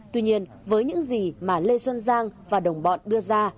tuy nhiên với những gì mà lê xuân giang và đồng bọn đưa ra